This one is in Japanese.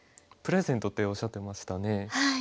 プレゼントっておっしゃってましたね。